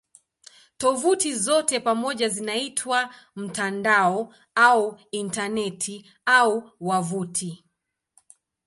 Tovuti zote pamoja zinaitwa "mtandao" au "Intaneti" au "wavuti".